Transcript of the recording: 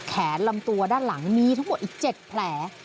ลำตัวด้านหลังมีทั้งหมดอีก๗แผล